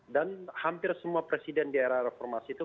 dan hampir semua presiden di era reformasi itu